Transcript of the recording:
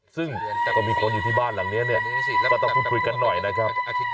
ซึ่งก็มีคนอยู่ที่บ้านหลังในแล้วก็ต้องคุยกันหน่อยนะครับ